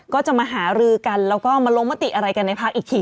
ก็จะมาหารือกันแล้วก็มาลงมติอะไรกันในพักอีกที